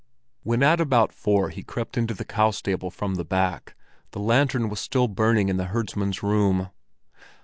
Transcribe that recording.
When at about four he crept into the cow stable from the back, the lantern was still burning in the herdsman's room.